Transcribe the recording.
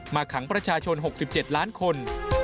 ขังประชาชน๖๗ล้านคน